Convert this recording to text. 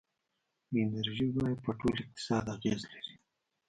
د انرژۍ بیه په ټول اقتصاد اغېزه لري.